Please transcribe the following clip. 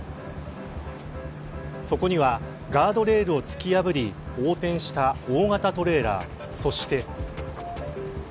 そこにはガードレールを突き破り横転した大型トレーラーそして。